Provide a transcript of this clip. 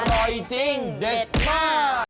อร่อยจริงเด็ดมาก